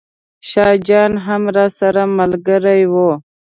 شاه جان هم راسره ملګری و.